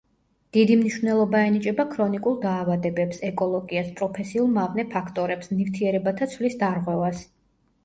დიდი მნიშვნელობა ენიჭება ქრონიკულ დაავადებებს, ეკოლოგიას, პროფესიულ მავნე ფაქტორებს, ნივთიერებათა ცვლის დარღვევას.